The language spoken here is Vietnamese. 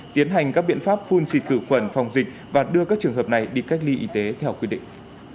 tiến hành các biện pháp phun xịt khử khuẩn phòng dịch và đưa các trường hợp này đi cách ly y tế theo quy định